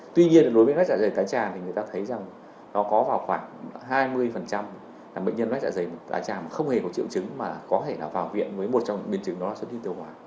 tuy nhiên đối với mách dạ dày tái tràng thì người ta thấy rằng nó có vào khoảng hai mươi là bệnh nhân mách dạ dày tái tràng mà không hề có triệu chứng mà có thể là vào viện với một trong những biên trường đó là xuất huyết tiêu hóa